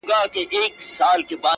یاره ستا خواږه کاته او که باڼه وي,